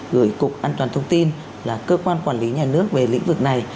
gửi cục an toàn thông tin là cơ quan quản lý nhà nước về lĩnh vực này